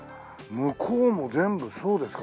向こうも全部そうですか？